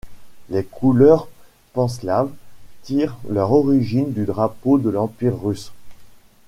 Les couleurs panslaves tirent leur origine du drapeau de l'Empire russe.